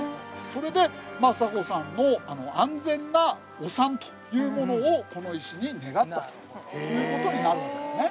それで政子さんの安全なお産というものをこの石に願ったという事になるんですね。